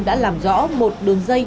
đã làm rõ một đường dây